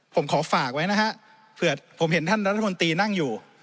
ผมขอฝากไว้นะฮะเผื่อผมเห็นท่านรัฐมนตรีนั่งอยู่